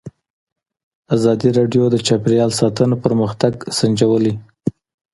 ازادي راډیو د چاپیریال ساتنه پرمختګ سنجولی.